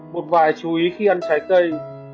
một vài chú ý khi ăn trái cây